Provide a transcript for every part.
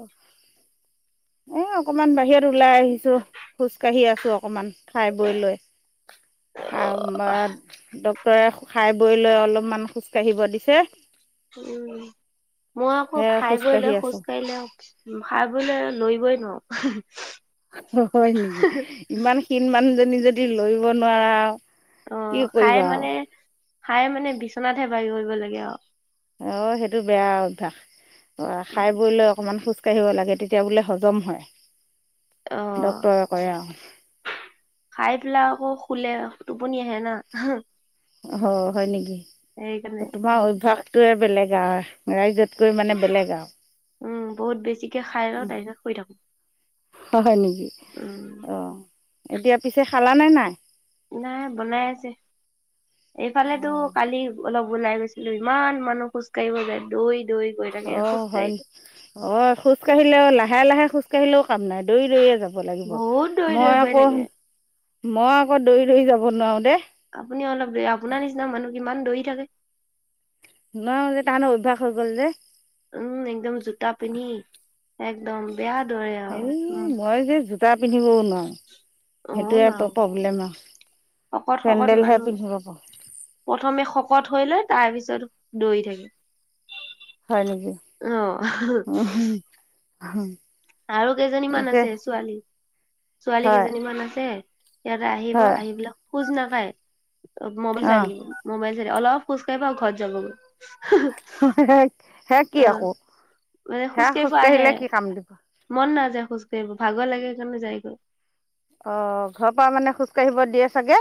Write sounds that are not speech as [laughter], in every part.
অ'। এ অকমান বাহিৰত ওলাই আহিছো, খোজ কাঢ়ি আছোঁ অকমান। খাই বৈ লয়। [unintelligible] ডক্টৰে খাই বৈ লৈ, অলপমান খোজ কাঢ়িব দিছে। উম, মই আকৌ সে খাই বৈ খোজকাঢ়ি লৈ খোজ আছোঁ কাঢ়িলে খাই বৈ লয়, লৰিবই নোৱাৰো। হয় নেকি, ইমান ক্ষীণ মানুহজনী যদি লৰিব নোৱাৰা কি অ', খাই কৰিবা মানে খাই মানে বিচনাতহে [unintelligible] কৰিব লাগে আৰু। অ', সেইটো বেয়া অভ্যাস। অ', খাই বৈ লৈ অকণমান খুজ কাঢ়িব লাগে, তেতিয়া বোলে হজম হয়। অ', ডক্তৰে কয় আৰু খাই পেলাই আকৌ শুলে, টোপনি আহে নাহ। হয়, হয় নেকি? তোমাৰ অভ্যাসটো বেলেগ আৰু ৰাইজত কৈ মানে বেলেগ আৰু, উম বহুত বেছিকে খাই লওঁ উম। তাৰ পিছত শুই থাকো হয় নেকি? উম অ', এতিয়া পিছে খালা নে নাই? নাই বনাই আছে, এইফালেতো অঁ কালি অলপ ওলাই গৈছিলো, ইমান মানুহ খোজ কাঢ়িব যায় দুই অ', হয়। অ', খোজ কাঢ়িলেও, লাহে লাহে খোজ কাঢ়িলেও কাম নাই, দৌৰি দৌৰিয়ে যাব বহুত দৌৰি লাগিব। দৌৰি মই গৈ আকৌ, থাকে মই আকৌ দৌৰি দৌৰি যাব নোৱাৰো দেই। আপুনি অলপ বেয়া। আপোনাৰ নিচিনা মানুহ কিমান দৌৰি থাকে। [unintelligible] অভ্যাস হৈ গ'ল যে। উম, একদম জোতা পিন্ধি একদম বেয়া দৰে আৰু হেই উম, মই যে, জোতা পিন্ধিবও নোৱাৰো। সেইটোৱেতো প্ৰব্লেম আৰু। শকত-শকত চেণ্ডেলহে মানুহ, পিন্ধিব পাৰোঁ প্ৰথমে শকত শকত হৈ লৈ তাৰপিছত, দৌৰি থাকিম। হয় নেকি? [unintelligible] আৰু কেইজনীমান পিছে আছে ছোৱালী। ছোৱালী হয় কেইজনীমান আছে। সিহঁতে আহিব, হয় আহিব পেলাই খোজ নাকাঢ়ে। মবাইল চাই অঁ থাকিব। মবাইল অলপ খোজকাঢ়িব আৰু ঘৰত যাবগৈ। [unintelligible] সেয়া কি অ আকৌ, সেয়া খোজ কাঢ়িলে কি কাম দিব। সেয়া খোজকাঢ়িব। ভাগৰ লাগে সেইকাৰণে যাই গৈ। অঁ ঘৰৰ পৰা মানে খোজকাঢ়িব দিয়ে চাগে।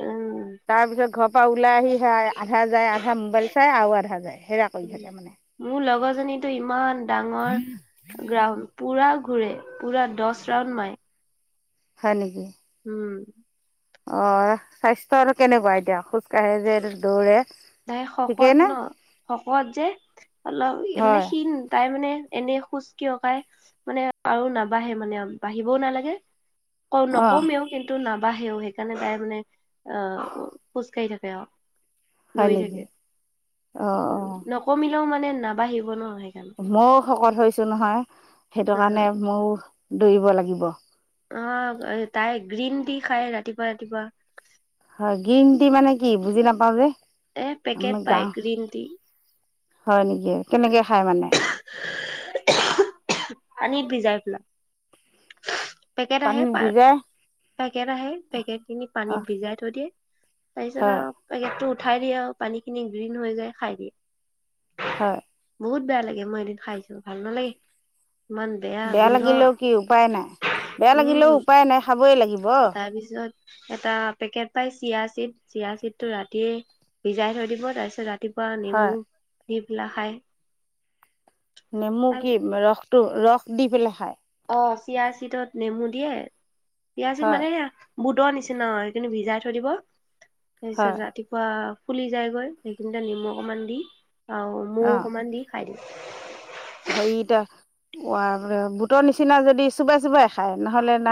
উম তাৰপিছত ঘৰত পৰা ওলাই আহি হে, আধা যায়, আধা মোবাইল চাই আৰু আধা যায়। সেয়া কৰি থাকে মানে। মোৰ লগৰজনীতো, ইমান ডাঙৰ গ্ৰাড পুৰা ঘূৰে, পুৰা দহ ৰাউণ্ড মাৰে। হয় নেকি? উম'। অহ' স্বাস্থ্য আৰু কেনেকুৱা এতিয়া খোজ কাঢ়ে যে দৌৰে। তাই ঠিকেই শকত নে? ন, শকত যে অলপ মানে হয় শিন, তাই মানে এনেই খোজ কিয় কঢ়ায়ে, মানে আৰু নাবঢ়ে মানে বাঢ়িবও নালাগে। কওঁ, অ' নকমেওঁ কিন্তু নাবা নাবাঢ়েও। সেইকাৰণে তাই মানে অহ, খোজ কঢ়ি থাকে আৰু। হয় দৌৰি নেকি? থাকে। অ' নকমিলেও মানে নাবাঢ়িব ন। সেইকাৰণে মইও শকত হৈছো নহয়। সেইটো কাৰণে ময়ো দৌৰিব লাগিব। অহ' তাই গ্ৰীণ টি খায় ৰাতিপুৱা ৰাতিপুৱা। হয়, গ্ৰীণ টি মানে কি বুজি নাপাওঁ যে। এ আমি পেকেট পাই, গাওঁ গ্ৰীণ টি। হয় নেকি, কেনেকে খাই মানে? আনি ভিজাই পেলে। [unintelligible] পানীত ভিজাই। পেকেট আহে, পেকেট খিনি অ' পানীত ভিজাই থৈ দিয়ে। তাৰপিছত হয় আৰু পেকেটটোত। উঠাই দিয়ে আৰু পানীখিনি গ্ৰীণ হৈ যায়, খাই দিয়ে। হয়। বহুত বেয়া লাগে, মই এদিন খাইছো। ভাল নালাগে ইমান বেয়া গোন্ধ। লাগিলেও কি উপায় নাই। বেয়া লাগিলেও উম'। উপায় নাই খাবই লাগিব তাৰপিছত এটা পেকেট পাই চিয়া চিত। চিয়া চিতটো ৰাতি, ভিজাই থৈ দিব তাৰপিছত, ৰাতিপুৱা হয়। নেমু সেইবিলাক খাই। নেমু কি? ৰসটো ৰস দি পেলাই খাই। অহ' চিয়া চিতত নেমু দিয়ে। চিয়াচিত হয় মানে এয়া। বুটৰ নিচিনা হয়। সেইখিনি ভিজাই থৈ দিব, তাৰপিছত হয় ৰাতিপুৱা। ফুলি যায় গৈ, সেইখিনিতে নিমখ অকণমান দি আৰু মৌ অ অকণমান দি খাই দিয়ে। হেৰি টা, [unintelligible] বুটৰ নিচিনা যদি চোবাই চোবাই খাই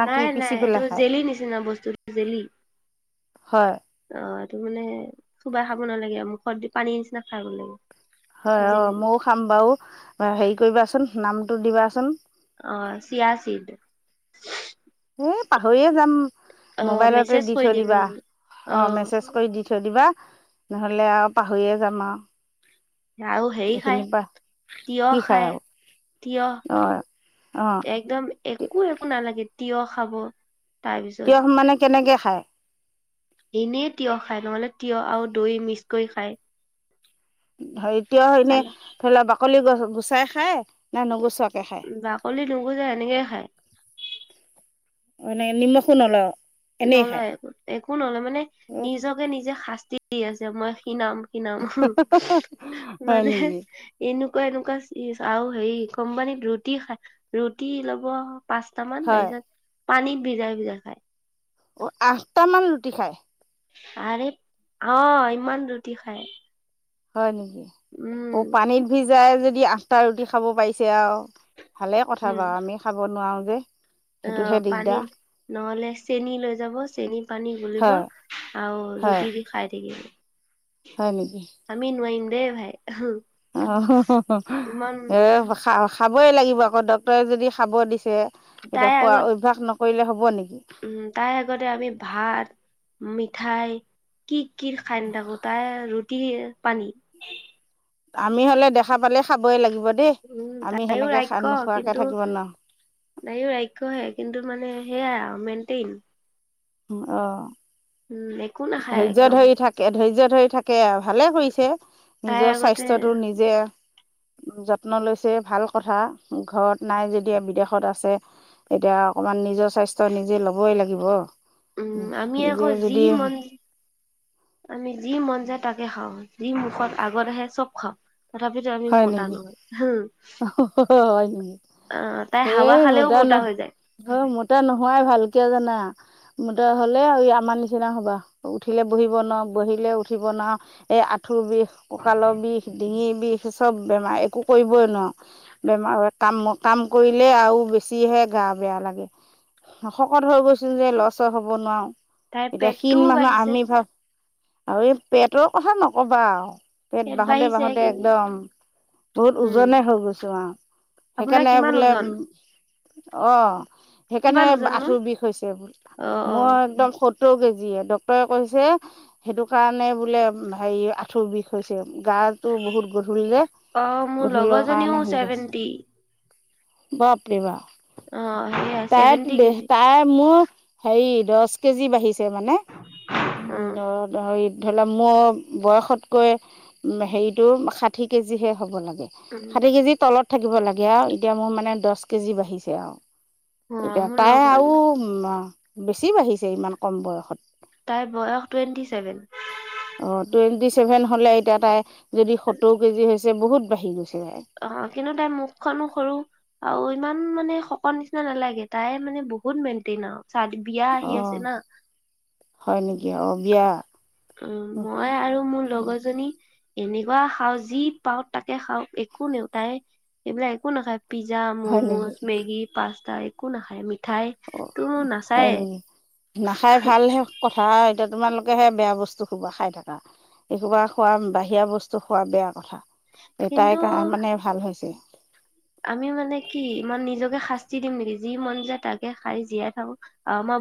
নাই, নাই, এইটো জেলি নিচিনা বস্তুটো জেলি। হয় অহ'। সেইটো মানে, চুবাই খাব নালাগে আৰু মুখত দি পানীৰ নিচিনা খাব লাগে। হয় জেলি অ', ময়ো খাম বাৰু, হেৰি কৰিবাচোন, নামটো দিবাচোন। অহ', ‌চিয়াচিদ। এ, পাহৰিয়ে যাম, অ মোবাইলতে মেছেজ দি কৰি থৈ দিম ন দিবা। অ অহ', মেছেজ কৰি দি থৈ দিবা, নহ'লে আৰু পাহৰিয়ে যাম আৰু। আৰু হেৰি খায়, এইখিনিৰ পৰা তিয়হ কি খায় আৰু তিয়হ। অ অ একদম একো একো নালাগে, তিয়ঁহ খাব। তাৰপিছত তিয়ঁহ মানে, কেনেকে খায়। এনেইে তিয়ঁহ খায়, নহ'লে তিয়ঁহ আৰু দৈ মিক্স কৰি খায়। এতিয়া এনে, চালাদ ধৰি লোৱা বাকলি গছ-গুচাই খাই। নাই, নোগোচোৱাকে খাই। নোগোচে, এনেকে খাই। অনে, নিমখো নলয়। নলয় একো একো নলয়, মানে নিজকে নিজে শাস্তি দি আছে, মই কি নাম, কি নাম, হয় মানে নেকি এনে এনেকুৱা এনেকুৱা আৰু হেৰি, কোম্পানীত ৰুটি খাই, ৰুটি ল'ব। পাঁচটামান হয় তাৰপিছত, পানীত ভিজাই ভিজাই খাই। অহ', আঠটা মান ৰুটি খাই। আৰে অহ, ইমান ৰুটি খাই। হয় নেকি, অহ, পানীত ভিজাই যদি আঠটা ৰুটি খাব পাৰিছে আৰু। ভালে কথা বাৰু, আমি খাব নোৱাৰো যে। সেইটোহে অহ', দিগদাৰ পানীত নহ'লে, চেনী লৈ যাব চেনীত। পানী গুলিব, হয় আৰু হয় ৰুটি দি খাই থাকিব। হয় আমি, নোৱাৰিম দেই ভাই। অহ'। ইমান [unintelligible] খাবই লাগিব আকৌ, ডক্তৰে যদি খাব দিছে, এতিয়া, তাইৰ খোৱা আগত অভ্যাস নকৰিলে হ'ব নেকি। উম, তাই আগতে আমি ভাত, মিঠাই কি কি খাই নাথাকো, তাই ৰুটি পানী আমি হ'লে দেখা পালে খাবই লাগিব দেই, উম আমি সেনেকো নোখোৱাকে থাকিব নোৱাৰো। নাইও ৰাক্ষহে, কিন্তু মানে সেয়াই আৰু মেইনটেইন। অহ'। উম একো নাখায় ধৈৰ্য একদম ধৰি থাকে, ধৈৰ্য ধৰি থাকে, আৰু ভালে কৰিছে। তাই নিজৰ আগতে স্বাস্থ্যটো নিজে। যত্ন লৈছে ভাল কথা, ঘৰত নাই যদিহে, বিদেশত আছে। এতিয়া অকমান নিজৰ স্বাস্থ্য নিজে ল'বই লাগিব উম আমি আকৌ নিজে যি যদি মন আমি যি মন যায় তাকে খাওঁ যি মুখত আগৰ আহে চব খাওঁ তথাপিতো আমি হয় মোটা নেকি নহয় হম হয় নেকি অ তাই এ হাৱা খালেও মতা ন মোটা হৈ যায় অ মতা নোহোৱাই ভাল, কিয় জানা? হ'লে আমাৰ নিচিনা হ'বা উঠিলে বহিব নোৱাৰো বহিলে উঠিব নোৱাৰো। আঁঠুৰ বিষ, কঁকালৰ বিষ, ডিঙিৰ বিষ। চব বেমাৰ একো কৰিবই নোৱাৰো, বেমাৰ কাম কাম কৰিলে আৰু বেছিহে গা বেয়া লাগে শকত হৈ গৈছো যে লৰচৰ হ'ব নোৱাৰো। তাইৰ এতিয়া ক্ষিণ পেটটোও মানুহ বাঢ়িছে আমি ভাব আৰু এই পেটৰ কথা নকবা আৰু। পেট বাহোতে বাঢ়িছে বাহোতে কিন্তু একদম বহুত উম উজনে হৈ গৈছো আৰু আপোনাৰ সেইকাৰণে কিমান বোলে ওজন উ অ', সেইকাৰণে কিমান ওজননো আঠুৰ বিষ হৈছে, অ অ মই একদম স সত্তৰ কেজিয়ে ডক্টৰে কৈছে সেইটো কাৰণে বোলে হেৰি আঁঠু বিষ হৈছে। গাটো বহুত গধূল যে অ মোৰ গধূলৰ লগৰজনীও কাৰণে সেই হৈছে। ছেভেন্টি বাপৰে বাপ, অ সেয়া ছেভেন্টি তাই কেজি তাই মোৰ হেৰি দহ কেজি বাঢ়িছে মানে অ উ ধৰি লওক মোৰ বয়সতকৈ হেৰিটো ষাঠি কেজিহে হ'ব লাগে। উম ষাঠি কেজি তলত থাকিব লাগে আৰু, এতিয়া মোৰ মানে দহ কেজি বাঢ়িছে আৰু। অ এতিয়া মোৰ তাই লগৰ আৰু উ বেছি বাঢ়িছে ইমান কম বয়সত। তাইৰ বয়স টুৱেণ্টি চছেভেন। অ' টুৱেণ্টি চছেভেন হলে এতিয়া তাই যদি সত্তৰ কেজি হৈছে বহুত বাঢ়ি গৈছে। তাই অ', কিন্তু তাই মুখখনো সৰু আৰু ইমান মানে শকত নিচিনা নালাগে তাই মানে বহুত মেইনটেইন আৰু চাত বিয়া অ আহি আছে না হয় নেকি অ বিয়া? অ', মই আৰু মোৰ লগৰজনী এনেকুৱা খাওঁ যি পাওঁ তাকে খাওঁ, একো নেওঁ তাই সেইবিলাক একো নাখায় পিজ্জা, হয় নেকি মমোজ, মেগি, পাাস্তা একো নাখায় ম অ' হয় নেকি, নাখাই ভালহে কথা, এতিয়া তোমালোক হে বেয়া বস্তু খোপা খাই থাকা, এইখুপা খোৱা বাহিৰা বস্তু খোৱা বেয়া কথা। এটাই কিন্তু কাৰ মানে ভাল হৈছে। আমি মানে কি ইমান নিজকে শাস্তি দিম নেকি যি মন যায় তাকে সাৰি জীয়াই থাকো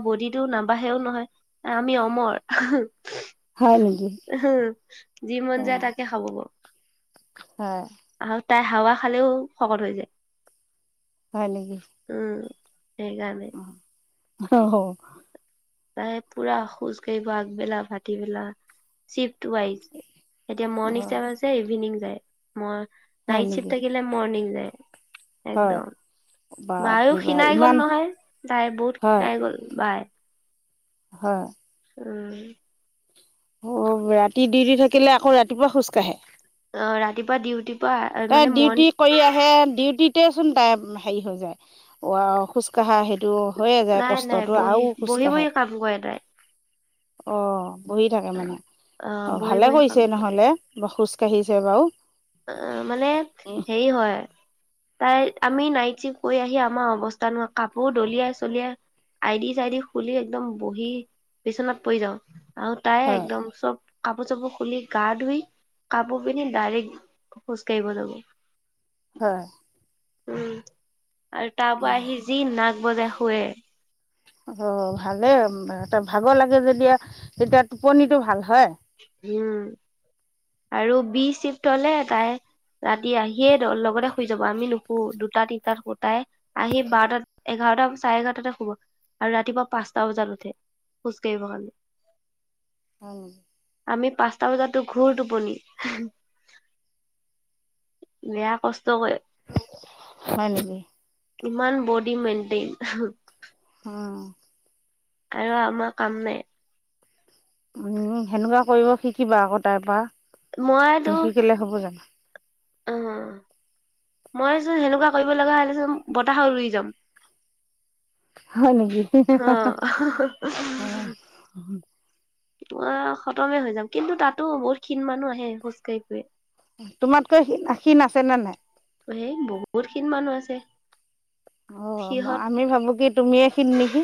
বডিটো নাবঢ়েও নহয়, আমি অমৰ। হয় নেকি যি মন যায় তাকে খাব ব। হ। আৰু তাই হাৱা খালেও শকত হৈ যায়। হয়নেকি? সেইকাৰানে। অ' হ। তাই পুৰা খোজ কাঢ়িব আগবেলা ভাটিবেলা, চিপ টোৱাই, এতিয়া মৰ্ণং ষ্টাইপ আছে ইভিনিং যাই ম হয় নাইট নেকি শ্বিফ্ট থাকিলে মৰ্ণিং যায়। হয় একদম। বা বাপ বায়ো ৰে বা শীণাই গল ইমান নহয়, তাই বহুত হয় শীণাই গল বাই। হয়। উম। অ' ৰাতি দুউটি থাকিলে আকৌ ৰাতিপুৱা খোজকাঢ়ে। অ' ৰাতিপুৱা ডিউটি এ ডিউটি কৰি আহে ডিউটি টচোন তাই হেৰি হৈ যায়, খোজকাঢ়া সেইটো হৈয়ে যায় নাই নাই কষ্টটো বহি আৰু খোজ বহি কাঢ়ে। বহি কাম কৰে তাই অ' বহি থাকে মানে, অ' বহি ভালে বহি কাম কৰিছে নহলে বা খোজকাাঢ়িছে বাৰু। অ' মানে হেৰি হয় তাই আমি নাইচিফ কৰি আহি আমাৰ অৱস্থা নোহয় কাপোৰ দলিয়াই চলিয়াই আইদি চাইদি খুলি একদম বহি বিচনাত পৰি যাওঁ। আৰু তাই হয় একদম চব কাপোৰ চাপোৰ খুলি গা ধুই কাপোৰ পিধি ডাইৰেক্ট খোজ কাঢ়িব যাব। হয়। উম, আৰু তাৰ পৰা আহি যি নাগ বজাই শুৱে। অ' ভালে এটা ভাগৰ লাগে যেদিয়া তেতিয়া টোপনিতটো ভাল হয়। উম, আৰু বি চিফ্ট হলে তাই ৰাতি আহিয়ে লগতে শুই যাব, আমি নুশু দুটা তিনটাত শু, তাই আহি বাৰটাত, এঘাৰ ৰটা চাৰে এঘাৰটাতে শুব, আৰু ৰাতিপুৱা পাঁচটা বজাত উঠে খোজ কাঢ়িবৰ কাৰণে। [unintelligible] হম। আমি পাঁচটা বজাতো ঘোৰ টোপনি বেয়া কষ্ট কৰে। হয় নেকি? ইমান বডি মেইনটেইন অ'। আৰু আমাৰ কাম নাই। উম, সেনেকুৱা কৰিব শিকিবা আকৌ তাইৰ পৰা, মইতো নিশিকিলে হ'ব জানো? অ'। মইচোন হেনেকুৱা কৰিব লগা হ'লে চোন বতাহত উই যাম। হয় নেকি অহ। অঁ অ' খতমে হৈ যাম, কিন্তু তাতো বহুত ক্ষীণ মানুহ আহে খোজ কাঢ়ি ফুৰে। তোমাতকৈ ক্ষী-ক্ষীণ আছে নে নাই? এ বহুত খিনি মানুহ আছে। অ', ম সিহঁত আমি ভাবো কি তুমি এ ক্ষীণ নেকি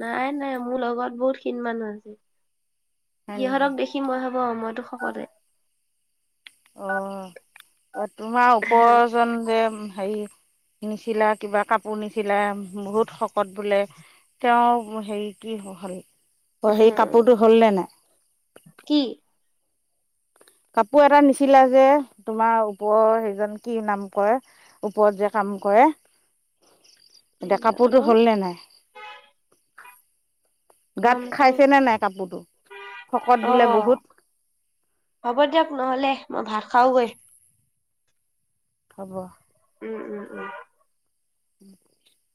নাই নাই মোৰ লগত বহুতখিনি মানুহ আছে। হয় নেকি সিহঁতক দেখি মই ভাবো মইটো শকতে। অ', অ', তোমাৰ উপৰৰজন যে হেৰি নিচিলা, কিবা কাপোৰ নিচিলা বহুত শকত বোলে তেওঁ হেৰি কি ভাল [unintelligible] অ', সেই কাপোৰটো হ'ল নে নাই? কি কাপোৰ এটা নিচালা যে, তোমাৰ ওপৰৰ সেইজন কি নাম কয় ওপৰত যে কাম কাম কৰে [unintelligible] এতিয়া কাপোৰতো জানো হ'লনে নাই? গাত কামটো খাইছেনে নাই কাপোৰটো, শকত অ বোলে বহুত। হ'ব দিয়ক নহ'লে মই ভাত খাওগৈ। হ'ব। উম উম উম। [inaudible]